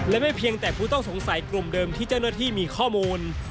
และไม่เพียงแต่ผู้ต้องสงสัยกลุ่มเดิมที่เจ้าหน้าที่มีข้อมูล